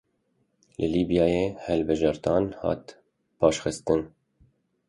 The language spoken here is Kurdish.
Li Lîbyayê hilbijartin hat paşxistin.